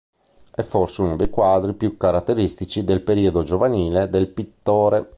È forse uno dei quadri più caratteristici del periodo giovanile del pittore.